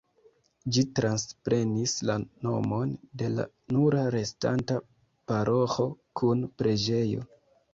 Ĝi transprenis la nomon de la nura restanta paroĥo kun preĝejo.